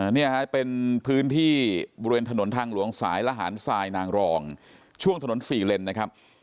นี่ฮะเป็นพื้นที่บริเวณถนนทางหลวงสายละหารทรายนางรองช่วงถนน๔เลนนะครับ